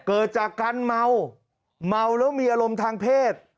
เกิดจากการเมาเมาแล้วมีอารมณ์ทางเพศ